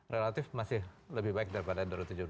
relatif masih lebih baik daripada dua ribu tujuh belas